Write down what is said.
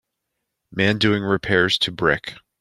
Man doing repairs to brick.